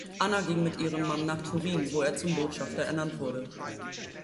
Anna ging mit ihrem Mann nach Turin, wo er zum Botschafter ernannt wurde.